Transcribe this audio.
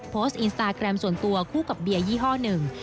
โพสต์อินสตาแกรมส่วนตัวคู่กับเบียร์ยี่ห้อหนึ่ง